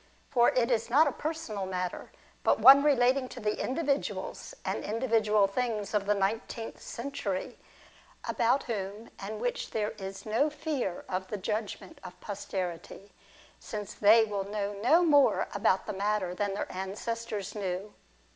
For it is not a personal matter, but one relating to the individuals and individual things of the nineteenth century; about whom and which there is no fear of the judgment of posterity, since they will know no more about the matter than their ancestors \ knew.